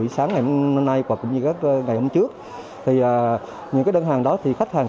sẽ được danh nhất